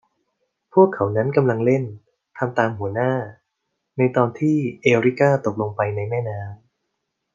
พวกเขานั้นกำลังเล่น ทำตามหัวหน้า ในตอนที่ เอริก้าตกลงไปในแม่น้ำ